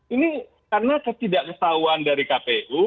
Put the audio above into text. ini karena ketidakketahuan dari kpu